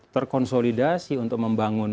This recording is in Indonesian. terkonsolidasi untuk membangun